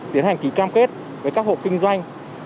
tiến hành ký cam kết với các hộ kinh doanh